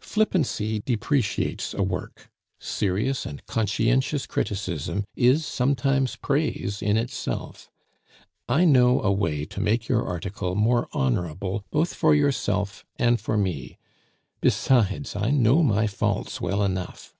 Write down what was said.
"Flippancy depreciates a work; serious and conscientious criticism is sometimes praise in itself. I know a way to make your article more honorable both for yourself and for me. Besides, I know my faults well enough."